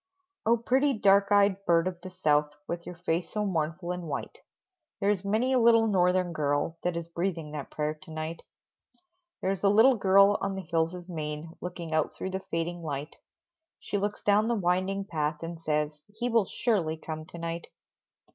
Oh, pretty dark eyed bird of the South, With your face so mournful and white There is many a little Northern girl That is breathing that prayer to night. There's a little girl on the hills of Maine Looking out through the fading light, She looks down the winding path, and says, "He will surely come to night!"